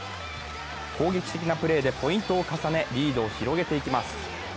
攻撃的なプレーでポイントを重ねリードを広げていきます。